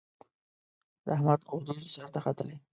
د احمد غرور سر ته ختلی.